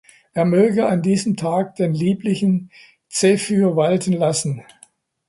Er möge an diesem Tag den lieblichen Zephyr walten lassen.